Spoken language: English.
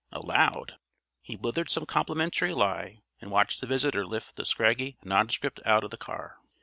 Aloud, he blithered some complimentary lie and watched the visitor lift the scraggy nondescript out of the car.